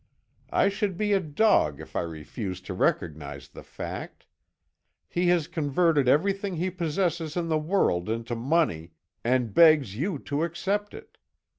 I should be a dog if I refused to recognize the fact. He has converted everything he possesses in the world into money, and begs you to accept it.